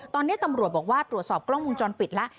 ตอนนี้ตำรวจบอกว่าตรวจสอบกล้องมุมจรปิดแล้ว